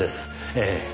ええ。